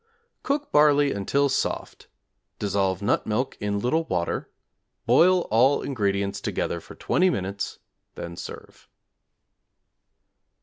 Cook barley until soft; dissolve nut milk in little water; boil all ingredients together for 20 minutes, then serve.